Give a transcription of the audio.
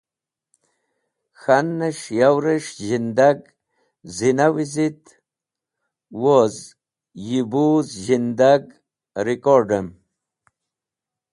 K̃hanẽs̃h yorẽs̃h zhindag/ zhina wizet wuz yi bo zhindag rikord̃ẽm.